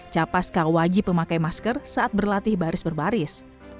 capaska wajib memakai masker saat berlatih baris berbaris